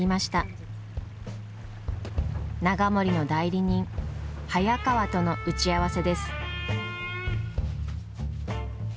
永守の代理人早川との打ち合わせです。